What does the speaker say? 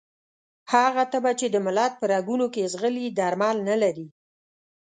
هغه تبه چې د ملت په رګونو کې ځغلي درمل نه لري.